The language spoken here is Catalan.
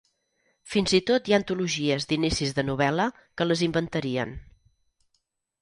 Fins i tot hi ha antologies d'inicis de novel·la que les inventarien.